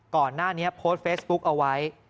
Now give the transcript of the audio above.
ก่อนหน้านี้โพสต์เฟซบุ๊กเอาไว้